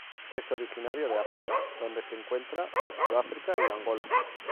Es originario de África donde se encuentra en Sudáfrica y Angola.